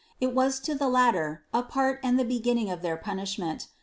It was to the latter a part and the begin ning of their punishment.